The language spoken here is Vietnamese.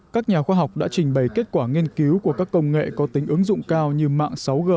các nhà khoa học đã trình bày kết quả nghiên cứu của các công nghệ có tính ứng dụng cao như mạng sáu g